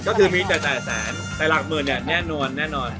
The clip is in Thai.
ก็ถึงมีแต่แสนแต่หลักหมื่นเนี่ยแน่นอน